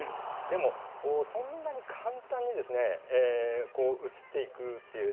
でも、そんなに簡単にですねうつっていくという。